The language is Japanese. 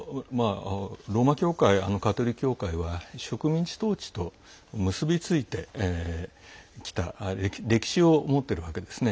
ローマ教会、カトリック教会は植民地統治と結び付いてきた歴史を持ってるわけですね。